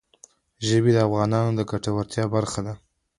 ژبې د افغانانو د ګټورتیا برخه ده.